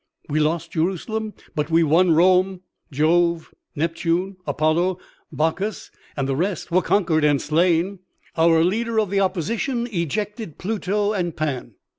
We lost Jerusalem, but we won Rome; Jove, Neptune, Apollo, Bacchus, and the rest, were conquered and slain; our leader of the opposition ejected Pluto and Pan.